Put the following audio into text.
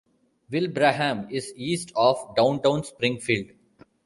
Wilbraham is east of downtown Springfield.